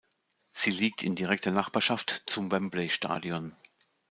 Sie liegt in direkter Nachbarschaft zum Wembley-Stadion.